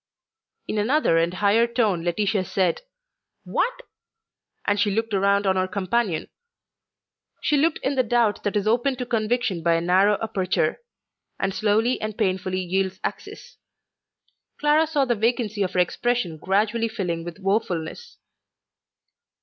In another and higher tone Laetitia said, "What?" and she looked round on her companion; she looked in the doubt that is open to conviction by a narrow aperture, and slowly and painfully yields access. Clara saw the vacancy of her expression gradually filling with woefulness.